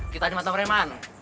kita dimantau reman